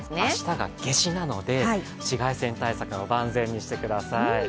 明日が夏至なので紫外線対策は万全にしてください。